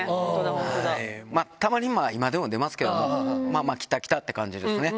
たまに今でも出ますけども、まあまあ、きたきたって感じですね。